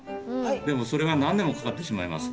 でもそれは何年もかかってしまいます。